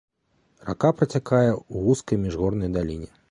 Рака працякае ў вузкай міжгорнай даліне.